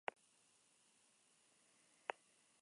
Escasas noticias se tienen de la primigenia Iglesia de San Pedro.